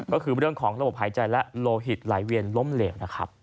ก็คือเรื่องของระบบหายใจและโลหิตไหลเวียนล้มเหลวนะครับ